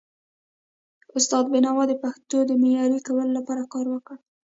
استاد بینوا د پښتو د معیاري کولو لپاره کار وکړ.